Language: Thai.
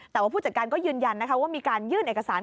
แต่ว่าผู้จัดการก็ยืนยันนะคะว่ามีการยื่นเอกสาร